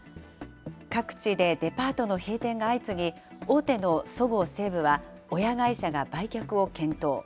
各地でデパートの閉店が相次ぎ、大手のそごう・西武は、親会社が売却を検討。